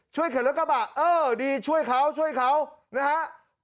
เข็นรถกระบะเออดีช่วยเขาช่วยเขานะฮะ